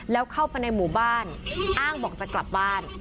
แล้วเข้าไปในหมู่บ้านอ้างบอกจะกลับบ้าน